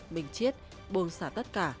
minh chiết buông xả tất cả